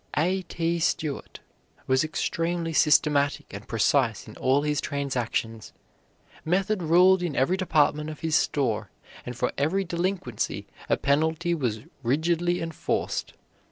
A. T. Stewart was extremely systematic and precise in all his transactions. Method ruled in every department of his store, and for every delinquency a penalty was rigidly enforced.